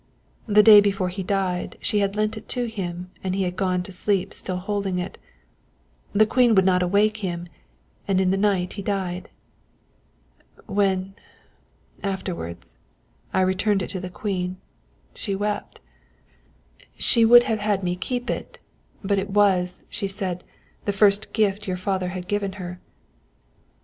The day before he died she had lent it to him and he had gone to sleep still holding it. The Queen would not awake him, and in the night he died. When, afterwards, I returned it to the Queen, she wept; she would have had me keep it, but it was, she said, the first gift your father had given her.